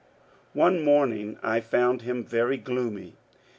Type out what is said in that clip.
One morning I found him very gloomy.